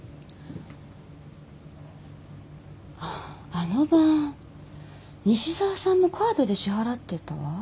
ああの晩西沢さんもカードで支払ってったわ。